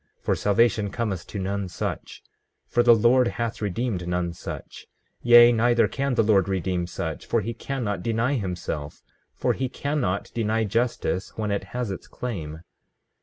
For salvation cometh to none such; for the Lord hath redeemed none such; yea, neither can the Lord redeem such; for he cannot deny himself; for he cannot deny justice when it has its claim.